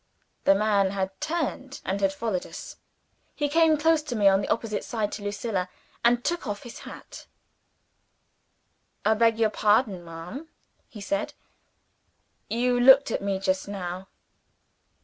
The man had turned, and had followed us. He came close to me, on the opposite side to Lucilla, and took off his hat. "I beg your pardon, ma'am," he said. "You looked at me just now."